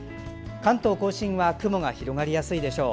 関東・甲信は雲が広がりやすいでしょう。